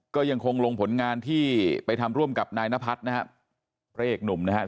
ก็ยังคงลงผลงานที่ไปทำร่วมกับนายนพัฒน์นะครับพระเอกหนุ่มนะครับ